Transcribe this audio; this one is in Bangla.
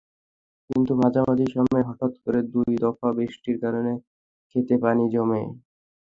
কিন্তু মাঝামাঝি সময়ে হঠাৎ করে দুই দফা বৃষ্টির কারণে খেতে পানি জমে।